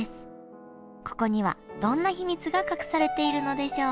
ここにはどんな秘密が隠されているのでしょう？